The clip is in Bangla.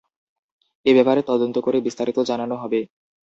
এ ব্যাপারে তদন্ত করে বিস্তারিত জানানো হবে।